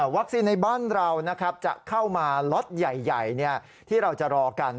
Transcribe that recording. ในบ้านเราจะเข้ามาล็อตใหญ่ที่เราจะรอกัน